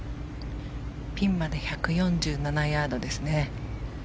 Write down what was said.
ピンまで１４７ヤードですね。